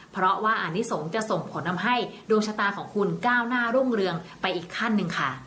เพราะว่าอานิสงฆ์จะส่งผลทำให้ดวงชะตาของคุณก้าวหน้ารุ่งเรืองไปอีกขั้นหนึ่งค่ะ